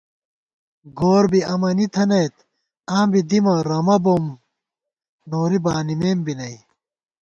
گور بی امَنی تھنَئیت آں بی دِمہ رَمہ بوم نوری بانِمېم بی نئ